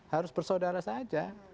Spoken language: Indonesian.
harus bersaudara saja